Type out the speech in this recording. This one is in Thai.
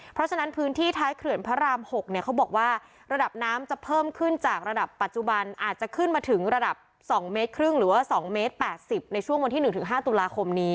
เพราะฉะนั้นพื้นที่ท้ายเขื่อนพระราม๖เนี่ยเขาบอกว่าระดับน้ำจะเพิ่มขึ้นจากระดับปัจจุบันอาจจะขึ้นมาถึงระดับ๒เมตรครึ่งหรือว่า๒เมตร๘๐ในช่วงวันที่๑๕ตุลาคมนี้